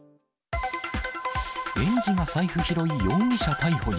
園児が財布拾い容疑者逮捕に。